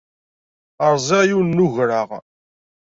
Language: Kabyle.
Rẓiɣ yiwen n ugra.